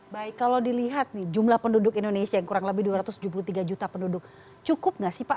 baik kalau dilihat nih jumlah penduduk indonesia yang kurang lebih dua ratus tujuh puluh tiga juta penduduk cukup nggak sih pak